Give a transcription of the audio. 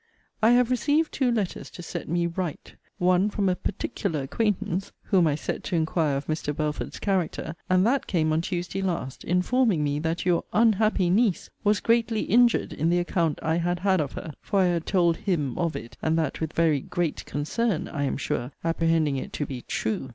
I have received two letter to set me 'right': one from a 'particular acquaintance,' (whom I set to inquire of Mr. Belford's character); and that came on Tuesday last, informing me, that your 'unhappy niece' was greatly injured in the account I had had of her; (for I had told 'him' of it, and that with very 'great concern,' I am sure, apprehending it to be 'true.')